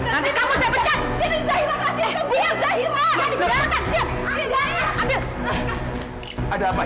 nanti kamu saya pecat